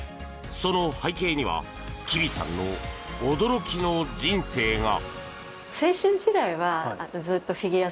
その背景には吉備さんの驚きの人生が。